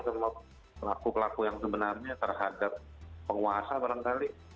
kalau pelaku pelaku yang sebenarnya terhadap penguasa barangkali